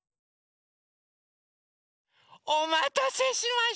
おまたせしました！